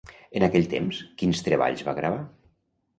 En aquell temps, quins treballs va gravar?